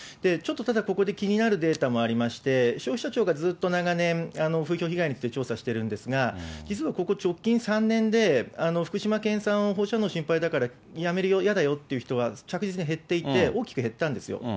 ちょっと、ただここで気になるデータもありまして、消費者庁がずっと長年、風評被害について調査してるんですが、実はここ、直近３年で福島県産を放射能心配だからやめるよ、嫌だよっていう人は、着実に減っていて、大きく減ったんですよ。